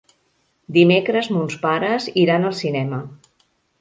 Dimecres mons pares iran al cinema.